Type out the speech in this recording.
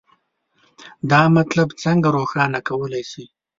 دا مطلب څنګه روښانه کولی شئ؟